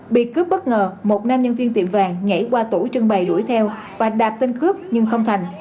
bị cướp bất ngờ một nam nhân viên tiệm vàng nhảy qua tủ trưng bày đuổi theo và đạp tên cướp nhưng không thành